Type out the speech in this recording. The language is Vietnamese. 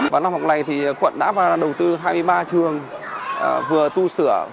vào năm học này thì quận đã đầu tư hai mươi ba trường vừa tu sửa